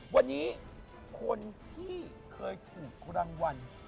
วันนี้คนที่เคยถูกรางวัล